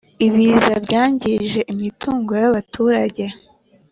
Ibiza byangije imitungo ya baturage